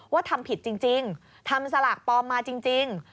ทำผิดจริงทำสลากปลอมมาจริง